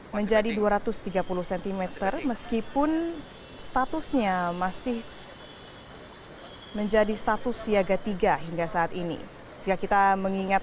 menjadi dua ratus tiga puluh cm meskipun statusnya masih menjadi status siaga tiga hingga saat ini jika kita mengingat